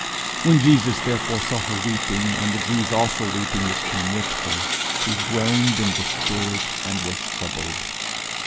_When Jesus therefore saw her weeping, and the Jews also weeping which came with her, he groaned in the spirit, and was troubled_.